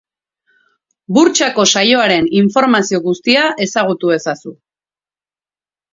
Burtsako saioaren informazio guztia ezagutu ezazu.